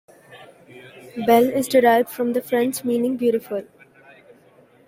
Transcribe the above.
Belle is derived from the French meaning "beautiful".